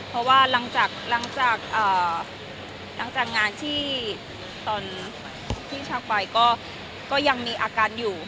เพราะว่าหลังจากงานที่ตอนที่ชักไปก็ยังมีอาการอยู่